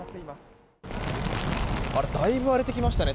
だいぶ荒れてきましたね。